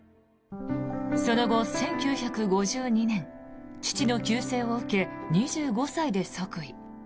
その後、１９５２年父の急逝を受け、２５歳で即位。